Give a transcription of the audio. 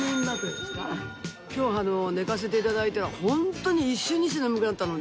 今日寝かせて頂いたらホントに一瞬にして眠くなったので。